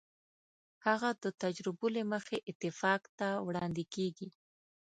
هغه د تجربو له مخې اتفاق ته وړاندې کېږي.